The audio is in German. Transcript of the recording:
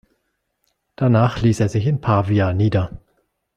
Danach liess er sich in Pavia nieder.